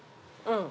うん。